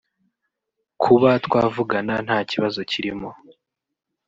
kuba twavugana nta kibazo kirimo